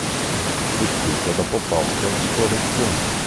Fu ucciso dopo poco la sua elezione.